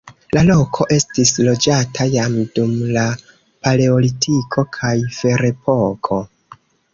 La loko estis loĝata jam dum la paleolitiko kaj ferepoko.